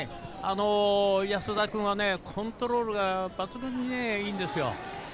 安田君はコントロールが抜群にいいんですよ。